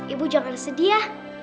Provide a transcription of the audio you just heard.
ibu jangan sedih ya